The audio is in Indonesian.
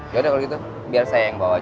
yaudah kalau gitu biar saya yang bawa